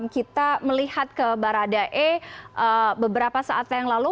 kita melihat ke baradae beberapa saat yang lalu